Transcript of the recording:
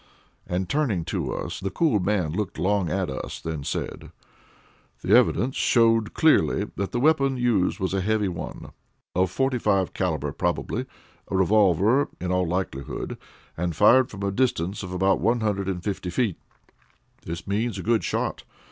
And turning to us, the cool man looked long at us all, then said: "The evidence showed conclusively that the weapon used was a heavy one, of 45 calibre probably a revolver in all likelihood, and fired from a distance of about one hundred and fifty feet. That means a good shot.